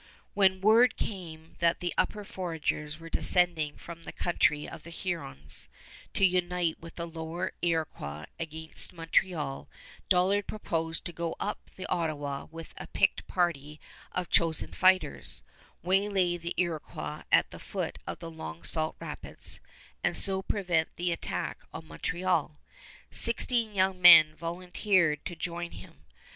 When word came that the upper foragers were descending from the country of the Hurons to unite with the lower Iroquois against Montreal, Dollard proposed to go up the Ottawa with a picked party of chosen fighters, waylay the Iroquois at the foot of the Long Sault Rapids, and so prevent the attack on Montreal. Sixteen young men volunteered to join him.